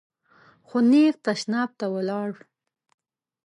خو نېغ تشناب ته ولاړ .